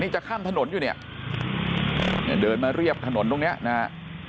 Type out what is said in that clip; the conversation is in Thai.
นี่จะข้ามถนนอยู่เนี่ยเดินมาเรียบถนนตรงเนี้ยนะฮะ